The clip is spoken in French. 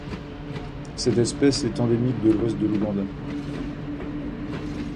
Cette espèce est endémique de l'Ouest de l'Ouganda.